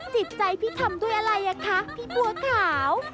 จิตใจพี่ทำด้วยอะไรอ่ะคะพี่บัวขาว